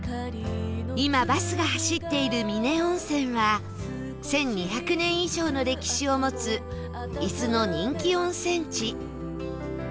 今バスが走っている峰温泉は１２００年以上の歴史を持つ伊豆の人気温泉地